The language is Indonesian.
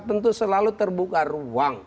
tentu selalu terbuka ruang